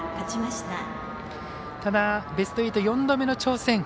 ただ、ベスト８、４度目の挑戦。